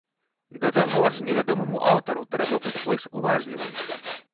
Да таго ж невядомаму аўтару трэба быць больш уважлівым.